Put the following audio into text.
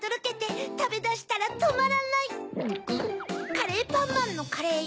カレーパンマンのカレーよ